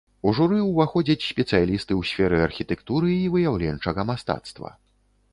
У журы ўваходзяць спецыялісты ў сферы архітэктуры і выяўленчага мастацтва.